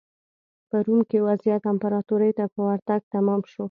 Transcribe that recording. په روم کې وضعیت امپراتورۍ ته په ورتګ تمام شو.